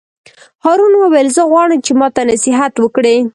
هارون وویل: زه غواړم چې ماته نصیحت وکړې.